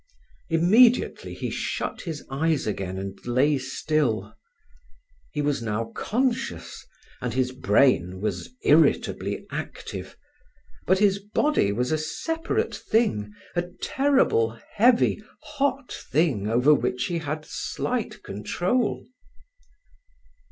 Immediately he shut his eyes again and lay still. He was now conscious, and his brain was irritably active, but his body was a separate thing, a terrible, heavy, hot thing over which he had slight control.